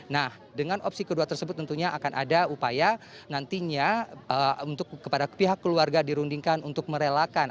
nah dengan opsi kedua tersebut tentunya akan ada upaya nantinya untuk kepada pihak keluarga dirundingkan untuk merelakan